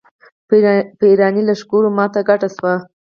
په اېراني لښکرو ماته ګډه شوه.